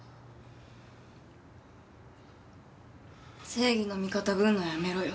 正義の味方ぶるのやめろよ。